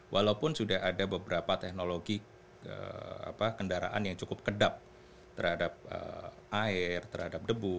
walaupun sudah ada beberapa teknologi kendaraan yang cukup kedap terhadap air terhadap debu